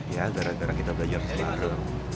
ya darah darah kita belajar selalu